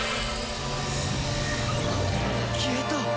消えた。